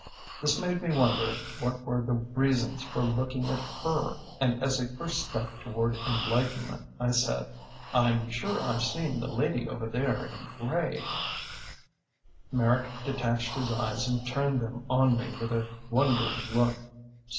This made me wonder what were the reasons for looking at her; and as a first step toward enlightenment I said: "I'm sure I've seen the lady over there in gray " Merrick detached his eyes and turned them on me with a wondering look.